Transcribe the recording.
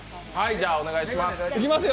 じゃあお願いします。